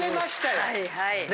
はいはい。ね？